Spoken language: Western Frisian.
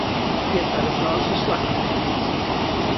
It giet mei de Frânske slach.